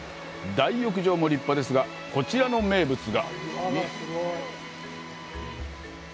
大浴場も立派ですが、こちらの名物が。